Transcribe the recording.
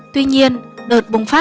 tuy nhiên đợt bùng phát